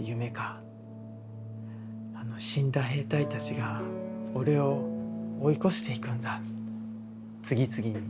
死んだ兵隊たちが俺を追い越していくんだ次々に。